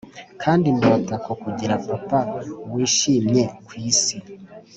kandi ndota kukugira papa wishimye kwisi.